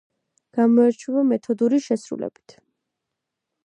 გამოირჩევა მეთოდური შესრულებით.